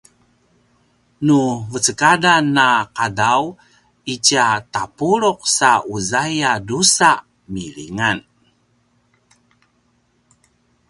nu vecekadan a qadaw itja tapuluq sa uzai a drusa milingan